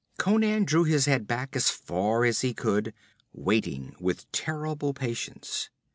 Conan drew his head back as far as he could, waiting with terrible patience.